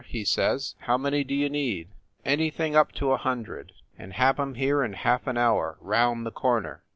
he says. "How many do you need?" "Anything up to a hundred and have em here in half an hour round the corner!"